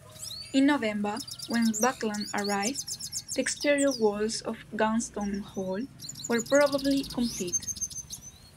In November, when Buckland arrived, the exterior walls of Gunston Hall were probably complete.